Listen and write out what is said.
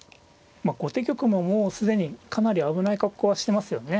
後手玉ももう既にかなり危ない格好はしてますよね。